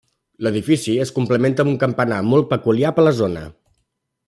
L'edifici es complementa amb un campanar molt peculiar per la zona.